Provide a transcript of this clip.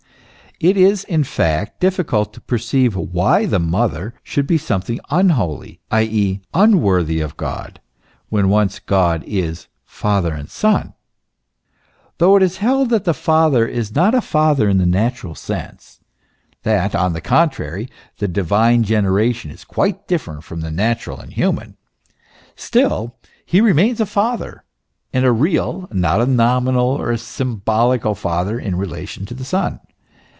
It is in fact difficult to perceive why the Mother should be something unholy, i. e., unworthy of God, when once God is Father and Son. Though it is held that the Father is not a Father in the natural sense that, on the contrary, the Divine generation is quite different from the natural and human still he remains a Father, and a real, not a nominal or symbolical Father, in relation to the Son.